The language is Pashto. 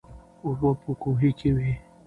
اوبه په کوهي کې وې.